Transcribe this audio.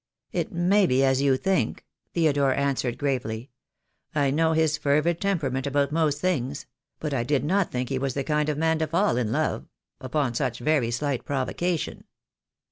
"It may be as you think," Theodore answered gravely. "I know his fervid temperament about most things; but I did not think he was the kind of man to fall in love — upon such very slight provocation."